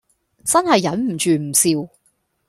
真係忍唔住唔笑